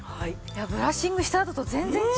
ブラッシングしたあとと全然違いますよね。